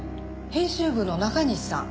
編集部の中西さん？